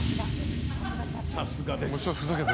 さすがです。